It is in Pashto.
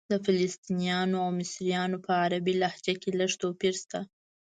د فلسطنیانو او مصریانو په عربي لهجه کې لږ توپیر شته.